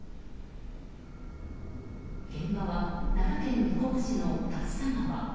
現場は奈良県生駒市の竜田川。